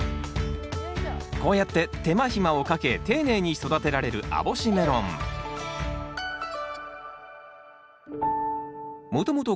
こうやって手間暇をかけ丁寧に育てられる網干メロンもともと